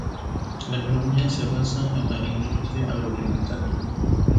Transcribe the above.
La economía se basa en la industria agroalimentaria.